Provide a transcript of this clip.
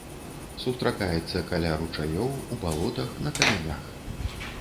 Сустракаецца каля ручаёў, у балотах, на камянях.